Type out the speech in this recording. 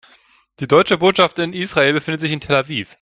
Die Deutsche Botschaft in Israel befindet sich in Tel Aviv.